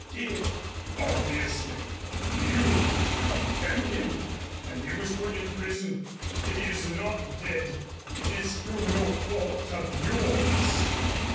"Dead!" "Obviously. You condemned him and he was put in prison. If he is not dead it is through no fault of yours."